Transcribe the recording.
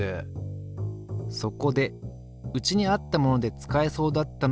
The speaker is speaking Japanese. そこでうちにあったもので使えそうだったのがこの水温計。